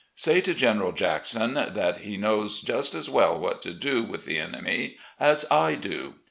Say to General Jackson that he knows just as well what to do with the enemy as I do."